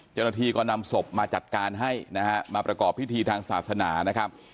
เจ้าหน้าที่ก็นำศพมาจัดการให้นะฮะมาประกอบพิธีทางศาสนานะครับ